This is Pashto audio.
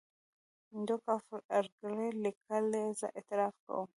ډوک آف ارګایل لیکي زه اعتراف کوم.